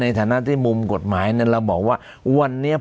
ในฐานะที่มุมกฎหมายเนี่ยเราบอกว่าวันนี้ผมเชื่อว่า